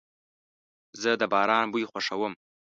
زه د باران بوی خوښوم.